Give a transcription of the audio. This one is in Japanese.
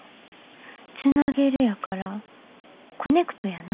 つなげるやからコネクトやな。